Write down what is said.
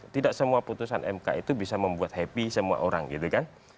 tidak semua putusan mk itu bisa membuat happy semua orang gitu kan